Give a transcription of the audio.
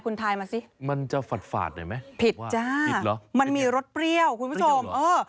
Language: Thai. คุณทายมาสิมันจะฝาดฝาดได้ไหมผิดจ้ามันมีรสเปรี้ยวคุณผู้ชมเออ